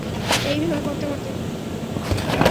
এইভাবে করতে করতে।